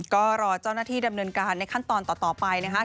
ก็รอเจ้าหน้าที่ดำเนินการในขั้นตอนต่อไปนะคะ